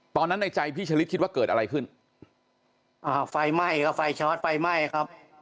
ตอนนั้นในใจพี่ฉลิดคิดว่าเกิดอะไรขึ้นอ่าไฟไหม้ก็ไฟชอร์ทไฟไหม้ครับ